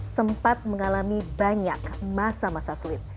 sempat mengalami banyak masa masa sulit